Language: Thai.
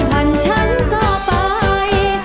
พันชั้นก็ไป